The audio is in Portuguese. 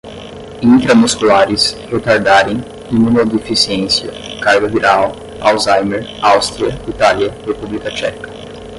intramusculares, retardarem, imunodeficiência, carga viral, alzheimer, Aústria, Itália, República Tcheca